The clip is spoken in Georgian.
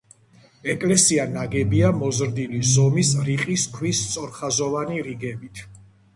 ეკლესია ნაგებია მოზრდილი ზომის რიყის ქვის სწორხაზოვანი რიგებით.